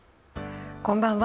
こんばんは。